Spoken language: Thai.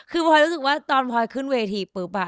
คือพลอยรู้สึกว่าตอนพลอยขึ้นเวทีปุ๊บ